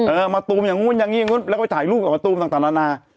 เออมาตูมอย่างนู้นอย่างนี้อย่างนู้นแล้วก็ไปถ่ายรูปกับมะตูมต่างนานา